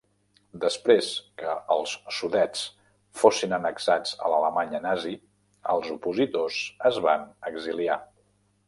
Després que els Sudets fossin annexats a l'Alemanya nazi, els opositors es van exiliar.